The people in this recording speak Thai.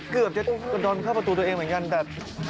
เข้าประตูตัวเองเหมือนกันแต่